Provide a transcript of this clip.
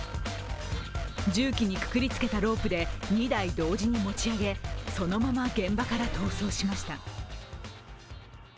重機にくくりつけたロープで２台同時に持ち上げそのまま現場から逃走しました。